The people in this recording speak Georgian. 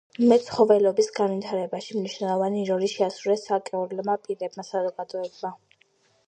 მეცხოველეობის განვითარებაში მნიშვნელოვანი როლი შეასრულეს ცალკეულმა პირებმა, საზოგადოებებმა.